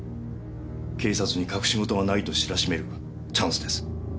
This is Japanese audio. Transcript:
警察に隠し事はないと知らしめるチャンスです。